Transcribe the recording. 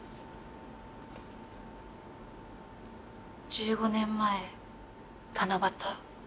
１５年前七夕。